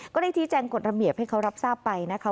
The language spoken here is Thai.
ก็ได้ชี้แจงกฎระเบียบให้เขารับทราบไปนะคะ